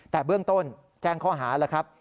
แต่เบื้องต้นแจ้งข้อหาแล้วครับ